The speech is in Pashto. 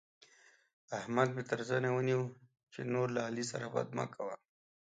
احمد مې تر زنه ونيو چې نور له علي سره بد مه کوه.